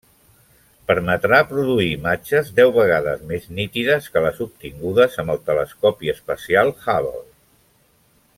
Permetrà produir imatges deu vegades més nítides que les obtingudes amb el Telescopi espacial Hubble.